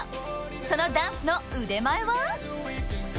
そのダンスの腕前は？